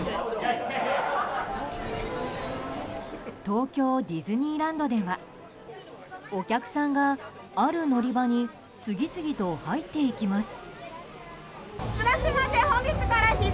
東京ディズニーランドではお客さんが、ある乗り場に次々と入っていきます。